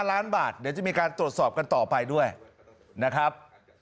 ล้านบาทเดี๋ยวจะมีการตรวจสอบกันต่อไปด้วยนะครับ